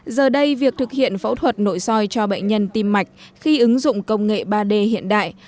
giờ đây việc thực hiện phẫu thuật nội soi cho bệnh nhân tim mạch khi ứng dụng công nghệ ba d hiện đại